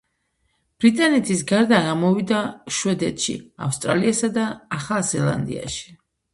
ბრიტანეთის გარდა გამოვიდა შვედეთში, ავსტრალიასა და ახალ ზელანდიაში.